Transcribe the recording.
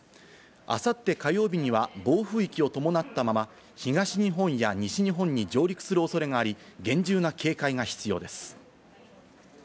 あさって火曜日には暴風域を伴ったまま、東日本や西日本に上陸するおそれがあり厳重な警戒が必要です。